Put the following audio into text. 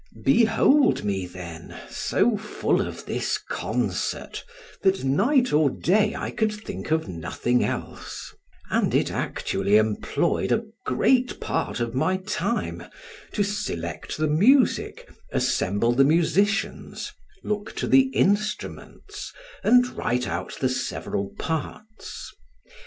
Behold me then so full of this concert, that night or day I could think of nothing else, and it actually employed a great part of my time to select the music, assemble the musicians, look to the instruments, and write out the several parts.